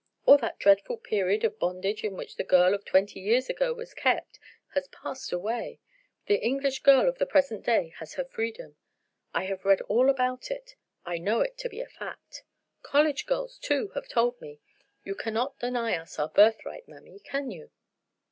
All that dreadful period of bondage in which the girl of twenty years ago was kept has passed away; the English girl of the present day has her freedom. I have read all about it; I know it to be a fact. College girls, too, have told me. You cannot deny us our birthright, mammy, can you?"